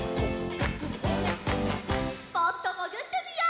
もっともぐってみよう。